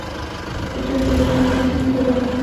এটা পড়ে সংশোধন করো।